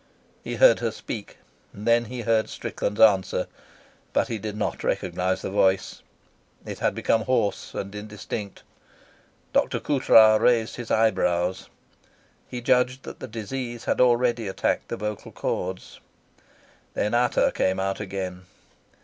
He heard her speak, and then he heard Strickland's answer, but he did not recognise the voice. It had become hoarse and indistinct. Dr. Coutras raised his eyebrows. He judged that the disease had already attacked the vocal chords. Then Ata came out again.